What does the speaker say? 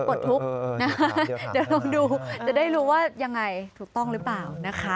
เออเดี๋ยวต้องดูจะได้รู้ว่ายังไงถูกต้องหรือเปล่านะคะ